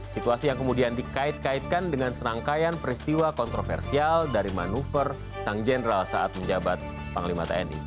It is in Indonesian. situasi yang kemudian dikait kaitkan dengan serangkaian peristiwa kontroversial dari manuver sang jenderal saat menjabat panglima tni